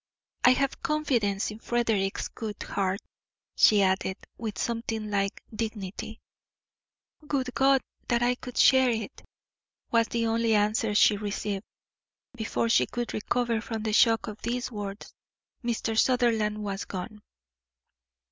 "I have confidence in Frederick's good heart," she added, with something like dignity. "Would God that I could share it!" was the only answer she received. Before she could recover from the shock of these words, Mr. Sutherland was gone.